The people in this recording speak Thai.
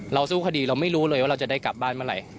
สู้คดีเราไม่รู้เลยว่าเราจะได้กลับบ้านเมื่อไหร่